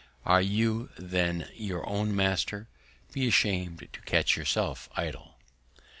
Are you then your own Master, be ashamed to catch yourself idle.